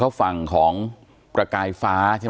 ต่อยอีกต่อยอีกต่อยอีกต่อยอีก